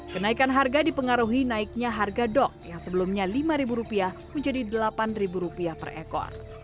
kenaikan harga dipengaruhi naiknya harga dok yang sebelumnya rp lima menjadi rp delapan per ekor